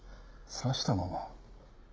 挿したまま？